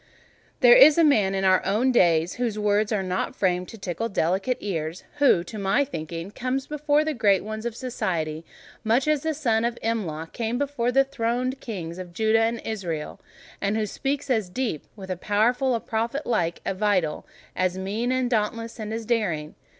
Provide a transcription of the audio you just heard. There is a man in our own days whose words are not framed to tickle delicate ears: who, to my thinking, comes before the great ones of society, much as the son of Imlah came before the throned Kings of Judah and Israel; and who speaks truth as deep, with a power as prophet like and as vital—a mien as dauntless and as daring.